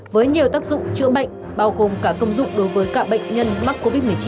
với nhiều tác dụng chữa bệnh bao gồm cả công dụng đối với cả bệnh nhân mắc covid một mươi chín